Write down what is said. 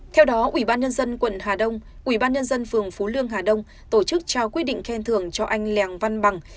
theo đó ủy ban nhân dân quận hà đông ủy ban nhân dân phường phú lương hà đông tổ chức trao quyết định khen thưởng cho anh lèng văn bằng